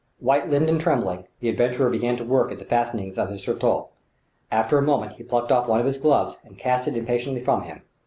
White lipped and trembling, the adventurer began to work at the fastenings of his surtout. After a moment he plucked off one of his gloves and cast it impatiently from him.